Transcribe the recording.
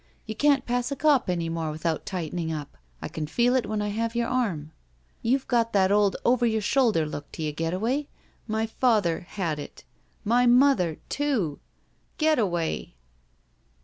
You can't pass a cop any more without tightening up. I can feel it when I have your arm. You've got that old over your shoulder look to you, Getaway. My father — ^had it. My — mother — ^too. Getaway